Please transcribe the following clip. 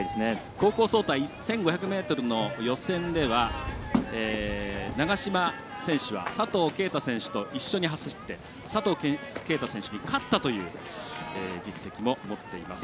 高校総体１５００ｍの予選では長嶋選手は佐藤圭汰選手と一緒に走って、佐藤圭汰選手に勝ったという実績も持っています。